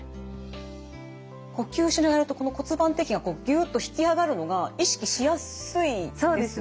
呼吸しながらやるとこの骨盤底筋がこうギュッと引き上がるのが意識しやすいですね。